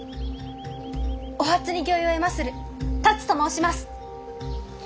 お初に御意を得まする龍と申します。